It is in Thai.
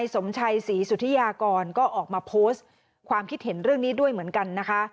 สมชัยศรีสุธิยากรก็ออกมาโพสต์ความคิดเห็นเรื่องนี้ด้วยเหมือนกันนะคะ